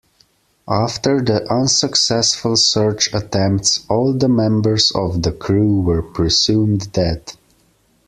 After the unsuccessful search attempts all the members of the crew were presumed dead.